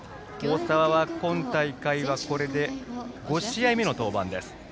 大沢は今大会はこれで５試合目の登板です。